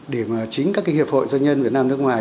để mà chính các cái hiệp hội doanh nhân việt nam nước ngoài